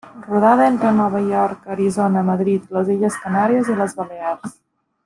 Rodada entre Nova York, Arizona, Madrid, les Illes Canàries i les Balears.